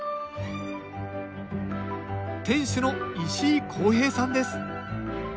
店主の石井公平さんです。